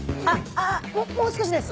ああもう少しです。